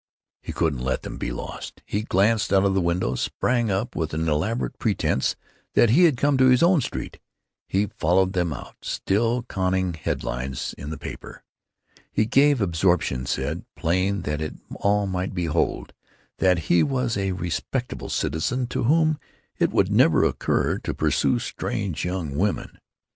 He couldn't let them be lost. He glanced out of the window, sprang up with an elaborate pretense that he had come to his own street. He followed them out, still conning head lines in his paper. His grave absorption said, plain that all might behold, that he was a respectable citizen to whom it would never occur to pursue strange young women.